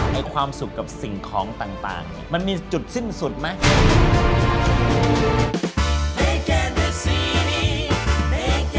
ในความสุขกับสิ่งของต่างมันมีจุดสิ้นสุดไหม